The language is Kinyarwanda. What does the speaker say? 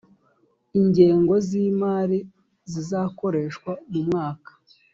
ingengo z imari zizakoreshwa mu mwaka